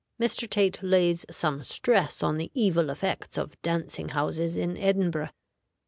Mr. Tait lays some stress on the evil effects of dancing houses in Edinburgh.